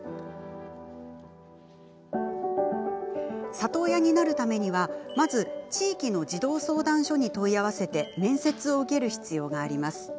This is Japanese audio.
里親になるためには、まず地域の児童相談所に問い合わせて面接を受ける必要があります。